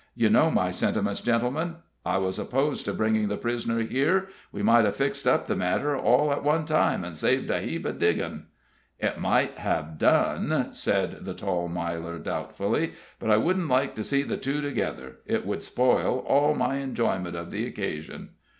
"You know my sentiments, gentlemen. I was opposed to bringing the prisoner here. We might have fixed up the matter all at one time, and saved a heap of diggin'." "It might have done," said the tall Miler, doubtfully; "but I wouldn't like to see the two together. It would spoil all my enjoyment of the occasion."